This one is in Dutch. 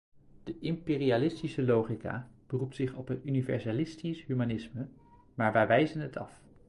De imperialistische logica beroept zich op het universalistisch humanisme, maar wij wijzen het af.